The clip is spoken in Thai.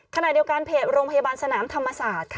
ขณะเดียวกันเพจโรงพยาบาลสนามธรรมศาสตร์ค่ะ